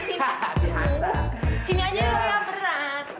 berat pasti orang gula